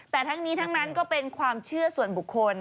แต่ทั้งนี้ทั้งนั้นก็เป็นความเชื่อส่วนบุคคล